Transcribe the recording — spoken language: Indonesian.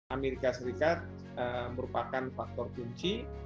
amerika serikat merupakan faktor kunci